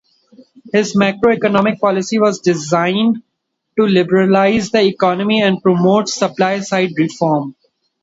His macro-economic policy was designed to liberalise the economy and promote supply-side reform.